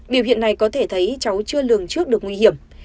biểu hiện này có thể thấy cháu chưa lường trước được nguy hiểm